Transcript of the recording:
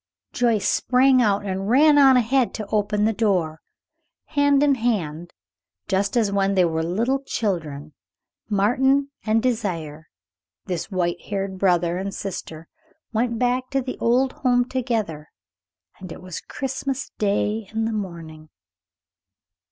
Joyce sprang out and ran on ahead to open the door. Hand in hand, just as when they were little children, Martin and Désiré, this white haired brother and sister went back to the old home together; and it was Christmas Day, in the morning.